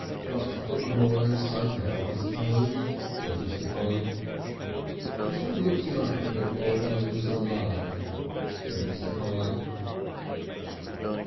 "Got to put 'em away somehow, I suppose," said Mr. Polly. "Wish I'd looked him up a bit more while he was alive," said Mr. Polly.